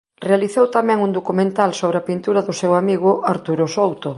Realizou tamén un documental sobre a pintura do seu amigo Arturo Souto.